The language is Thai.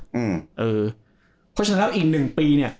เพราะฉะนั้นแล้วอีก๑ปีเนี่ย